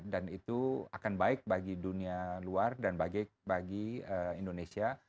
dan itu akan baik bagi dunia luar dan bagi indonesia